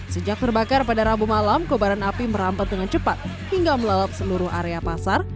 sejak terbakar pada rabu malam kebaran api merambat dengan cepat hingga melalap seluruh area pasar